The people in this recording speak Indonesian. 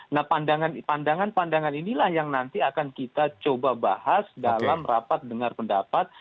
nah pandangan pandangan inilah yang nanti akan kita coba bahas dalam rapat dengar pendapat